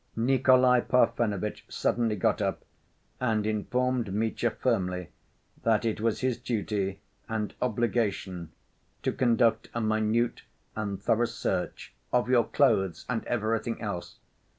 Nikolay Parfenovitch suddenly got up, and informed Mitya firmly that it was his duty and obligation to conduct a minute and thorough search "of your clothes and everything else...."